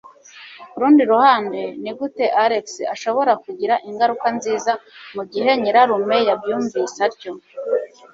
Ku rundi ruhande, ni gute Alex ashobora kugira ingaruka nziza mugihe nyirarume yabyumvise atyo?